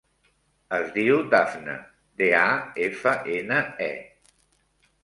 Es diu Dafne: de, a, efa, ena, e.